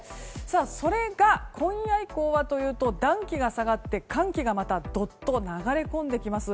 それが今夜以降は暖気が下がって寒気がどっと流れ込んできます。